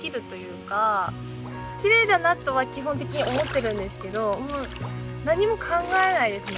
きれいだなとは基本的に思ってるんですけどもう何も考えないですね